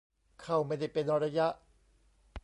เข้าไม่ได้เป็นระยะ